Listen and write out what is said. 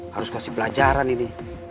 harus kasih pelajaran ini